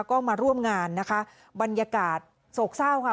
ก็มาร่วมงานนะคะบรรยากาศโศกเศร้าค่ะ